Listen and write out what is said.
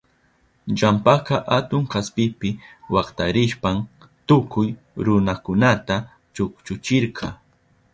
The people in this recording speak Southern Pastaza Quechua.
Ilampaka atun kaspipi waktarishpan tukuy runakunata chukchuchirka.